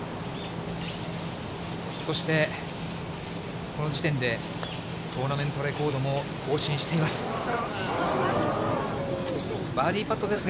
そして、この時点でトーナメントレコードも更新しています。